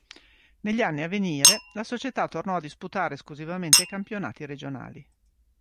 Negli anni a venire la società tornò a disputare esclusivamente campionati regionali.